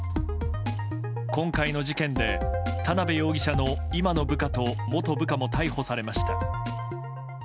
今回の事件で田辺容疑者の今の部下と元部下も逮捕されました。